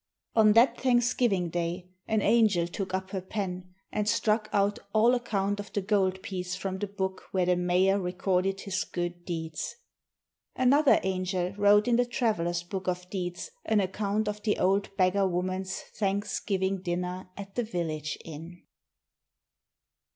On that Thanksgiving Day an angel took up her pen, and struck out all account of the gold piece from the book where the mayor recorded his good deeds. Another angel wrote in the traveler's book of deeds an account of the old beggar woman's Thanksgiving dinner at the village inn.